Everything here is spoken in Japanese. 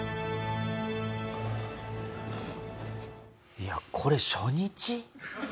いやこれ初日？